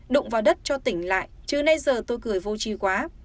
đụng vào đất cho tỉnh lại chứ nay giờ tôi cười vô chi quá